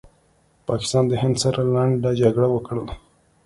پاکستان د هند سره لنډه جګړه وکړله